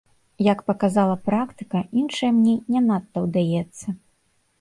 Як паказала практыка, іншае мне не надта ўдаецца.